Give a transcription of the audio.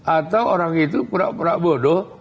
atau orang itu pura pura bodoh